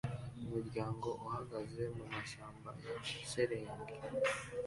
Umuryango uhagaze mumashyamba ya shelegi